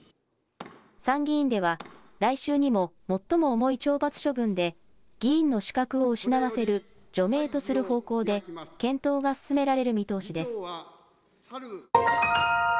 参議院では来週にも最も重い懲罰処分で、議員の資格を失わせる除名とする方向で検討が進められる見通しです。